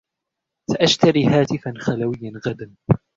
سأشتري هاتفا خلويا غدا.